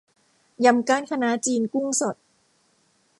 ยำก้านคะน้าจีนกุ้งสด